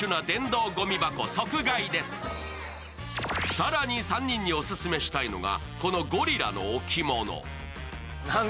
更に３人にオススメしたいのがこのゴリラの置物。